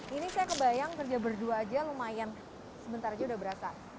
ini saya kebayang kerja berdua aja lumayan sebentar aja udah berasa